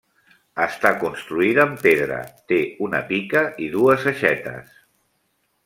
Està construïda en pedra, té una pica i dues aixetes.